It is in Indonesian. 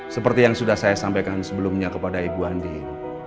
seperti yang sudah saya sampaikan sebelumnya kepada ibu andi